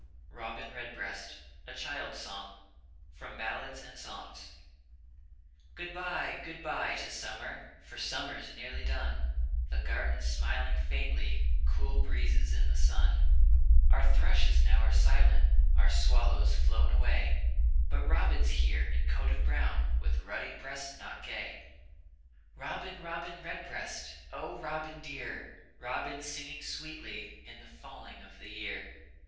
From 'Ballads and Songs.' ROBIN REDBREAST (A CHILD'S SONG) Good by, good by, to Summer! For Summer's nearly done; The garden smiling faintly, Cool breezes in the sun; Our Thrushes now are silent, Our Swallows flown away But Robin's here, in coat of brown, With ruddy breast knot gay. Robin, Robin Redbreast, Oh, Robin, dear! Robin singing sweetly In the falling of the year.